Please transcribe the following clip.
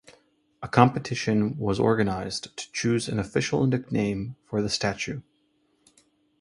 A competition was organised to choose an official nickname for the statue.